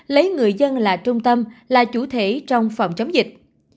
lấy người dân là trung tâm là chủ thể trong phòng chống dịch